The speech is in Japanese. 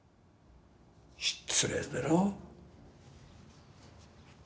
失礼だろ？